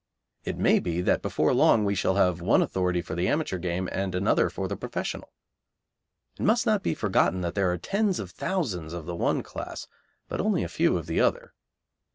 It may be that before long we shall have one authority for the amateur game and another for the professional. It must not be forgotten that there are tens of thousands of the one class, but only a few of the other.